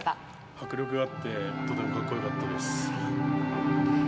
迫力があってとてもかっこよかったです。